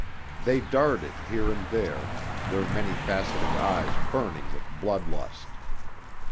They darted here and there, their many faceted eyes burning with blood lust.